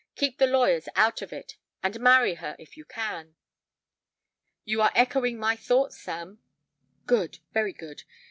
Keep the lawyers out of it, and marry her, if you can." "You are echoing my own thoughts, Sam." "Good; very good.